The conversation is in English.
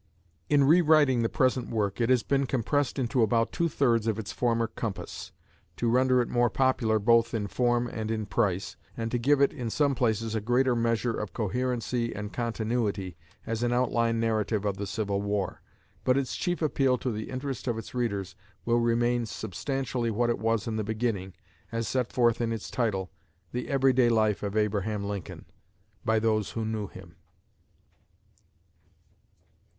In re writing the present work, it has been compressed into about two thirds of its former compass, to render it more popular both in form and in price, and to give it in some places a greater measure of coherency and continuity as an outline narrative of the Civil War. But its chief appeal to the interest of its readers will remain substantially what it was in the beginning, as set forth in its title, "The Every day Life of Abraham Lincoln, by Those Who Knew Him."